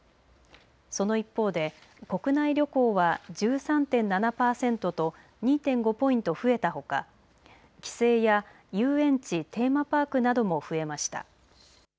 その一方で国内旅行は１３．７％と２．５ポイント増えたほか帰省や遊園地・テーマパークなども増えました。